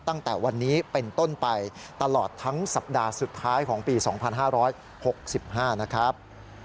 ตั้งแต่วันนี้เป็นต้นไปตลอดทั้งสัปดาห์สุดท้ายของปี๒๕๖๕นะครับ